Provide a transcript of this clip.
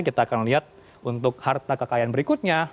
kita akan lihat untuk harta kekayaan berikutnya